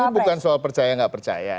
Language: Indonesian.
tapi bukan soal percaya nggak percaya